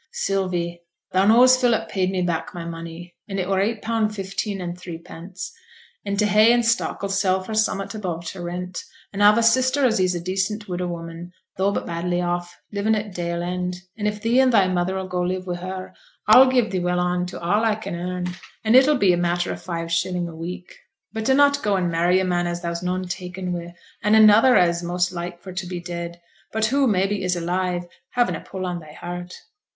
'Sylvie, thou knows Philip paid me back my money, and it were eight pound fifteen and three pence; and t' hay and stock 'll sell for summat above t' rent; and a've a sister as is a decent widow woman, tho' but badly off, livin' at Dale End; and if thee and thy mother 'll go live wi' her, a'll give thee well on to all a can earn, and it'll be a matter o' five shilling a week. But dunnot go and marry a man as thou's noane taken wi', and another as is most like for t' be dead, but who, mebbe, is alive, havin' a pull on thy heart.'